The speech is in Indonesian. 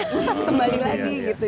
kembali lagi gitu